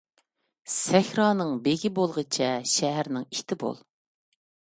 سەھرانىڭ بېگى بولغىچە، شەھەرنىڭ ئىتى بول.